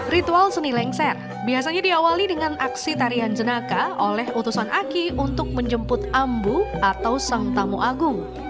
ritual seni lengser biasanya diawali dengan aksi tarian jenaka oleh utusan aki untuk menjemput ambu atau sang tamu agung